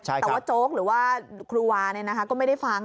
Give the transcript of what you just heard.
แต่ว่าโจ๊กหรือว่าครูอาเนี่ยนะครับก็ไม่ได้ฟัง